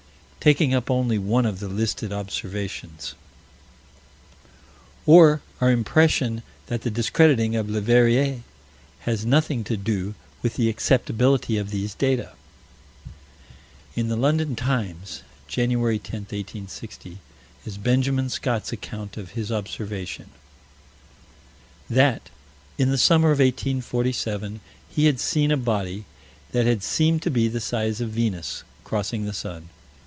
Taking up only one of the listed observations Or our impression that the discrediting of Leverrier has nothing to do with the acceptability of these data: In the London Times, Jan. 10, 1860, is Benjamin Scott's account of his observation: That, in the summer of 1847, he had seen a body that had seemed to be the size of Venus, crossing the sun.